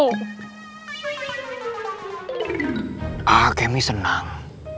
a'ah kemi senang